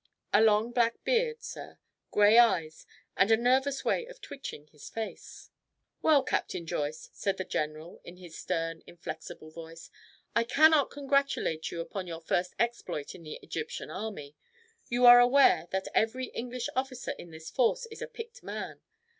"A long black beard, sir. Grey eyes. And a nervous way of twitching his face." "Well, Captain Joyce," said the general, in his stern, inflexible voice, "I cannot congratulate you upon your first exploit in the Egyptian army. You are aware that every English officer in this force is a picked man.